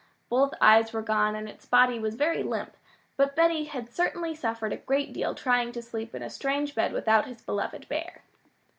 Both eyes were gone, and its body was very limp, but Benny had certainly suffered a great deal trying to sleep in a strange bed without his beloved bear.